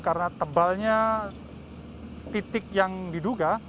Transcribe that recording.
karena tebalnya titik yang diduga